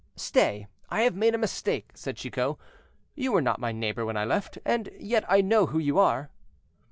"Stay, I have made a mistake," said Chicot, "you were not my neighbor when I left, and yet I know who you are."